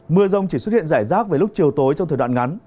mưa rông chỉ xuất hiện rải rác về lúc chiều tối trong thời đoạn ngắn